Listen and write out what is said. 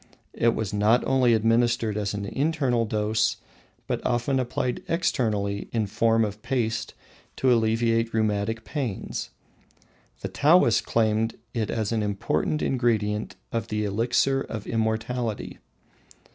It was not only administered as an internal dose, but often applied externally in form of paste to alleviate rheumatic pains. The Taoists claimed it as an important ingredient of the elixir of immortality.